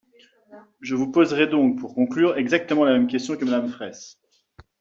Je vous poserai donc, pour conclure, exactement la même question que Madame Fraysse.